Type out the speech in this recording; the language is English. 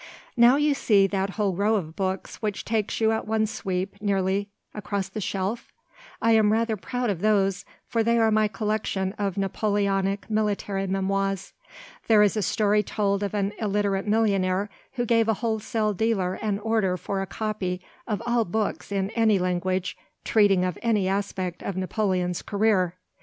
Now you see that whole row of books which takes you at one sweep nearly across the shelf? I am rather proud of those, for they are my collection of Napoleonic military memoirs. There is a story told of an illiterate millionaire who gave a wholesale dealer an order for a copy of all books in any language treating of any aspect of Napoleon's career.